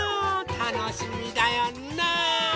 たのしみだよ。ねえ！